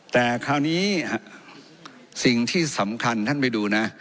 แต่คราวนี้สิ่งที่สำคัญท่านไปดูนะ